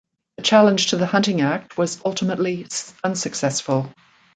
The challenge to the Hunting Act was ultimately unsuccessful.